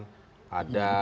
ada supaya tidak terkunci